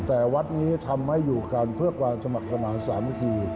แต่วัดนี้ทำให้อยู่กันเพื่อความสมัครสมาธิสามัคคี